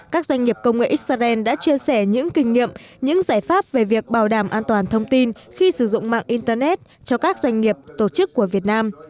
các doanh nghiệp công nghệ israel đã chia sẻ những kinh nghiệm những giải pháp về việc bảo đảm an toàn thông tin khi sử dụng mạng internet cho các doanh nghiệp tổ chức của việt nam